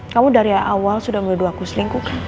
kamu dari awal sudah meridu aku selingkuh kan